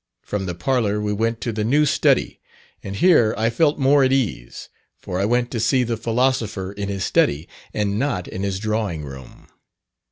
From the parlour we went to the new study, and here I felt more at ease, for I went to see the Philosopher in his study, and not in his drawing room.